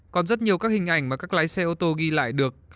còn rất nhiều các hình ảnh mà các lái xe ô tô ghi lại được